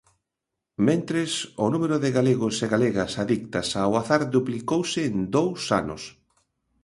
Mentres, o número de galegos e galegas adictas ao azar duplicouse en dous anos.